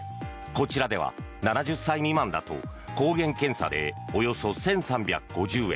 こちらでは７０歳未満だと抗原検査でおよそ１３５０円